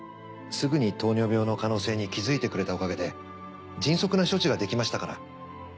すぐに糖尿病の可能性に気づいてくれたおかげで迅速な処置ができましたから。